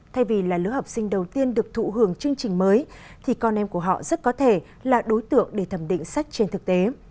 thay vì là lứa học sinh đầu tiên được thụ hưởng chương trình mới thì con em của họ rất có thể là đối tượng để thẩm định sách trên thực tế